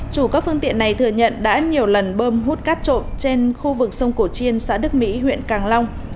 chủ các phương tiện này thừa nhận đã nhiều lần bơm hút cát trộm trên khu vực sông cổ chiên xã đức mỹ huyện càng long